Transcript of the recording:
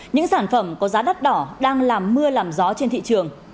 những sản phẩm có giá đắt đỏ đang làm mưa làm gió trên thị trường